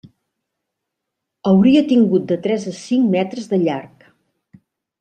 Hauria tingut de tres a cinc metres de llarg.